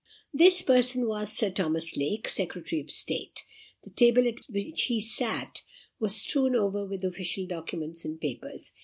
This person was Sir Thomas Lake, Secretary of State. The table at which he sat was strewn over with official documents and papers.